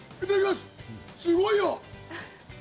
すごいよ！